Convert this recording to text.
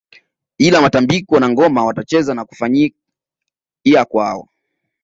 Ila matambiko na ngoma watacheza na kufanyia kwako